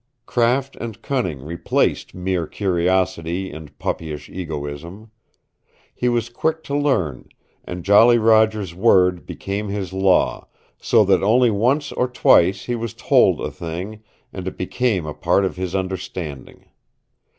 Craft and cunning replaced mere curiosity and puppyish egoism. He was quick to learn, and Jolly Roger's word became his law, so that only once or twice was he told a thing, and it became a part of his understanding.